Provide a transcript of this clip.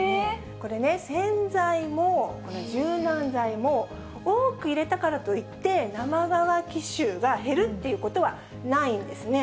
これね、洗剤も柔軟剤も、多く入れたからといって、生乾き臭が減るっていうことはないんですね。